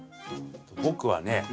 僕はね